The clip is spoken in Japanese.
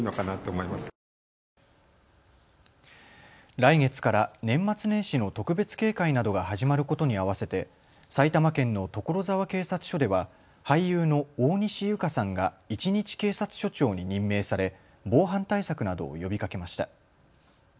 来月から年末年始の特別警戒などが始まることに合わせて埼玉県の所沢警察署では俳優の大西結花さんが一日警察署長に任命され防犯対策などを呼びかけました。